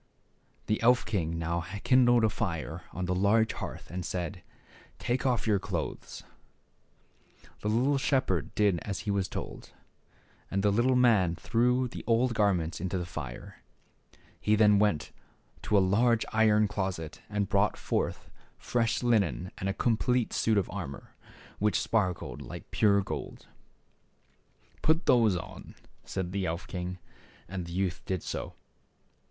The elf king now kindled a fire on the large hearth and said, "Take off your clothes." The THE SHEPHERD BOY. 75 shepherd did as he was told, and the little man threw the old garments into the fire. He then went to a large iron closet, and brought forth freSh linen and a complete suit of armor, which sparkled like pure gold. " Put these on," said the elf king ; and the youth did so.